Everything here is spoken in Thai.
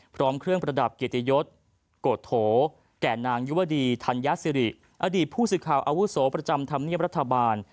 พร้อมเครื่องประดับเกียรติยศโกแก่นางยุวดีธัญสิริอดีตผู้สื่อข่าวอาวุโสประจำธรรมเนียบรัฐบาล